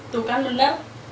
tuh kan luna